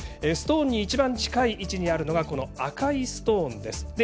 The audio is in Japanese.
ストーンに一番近い位置にあるのが赤いストーンです。